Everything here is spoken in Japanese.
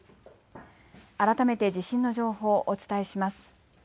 改めて地震の情報をお伝えします。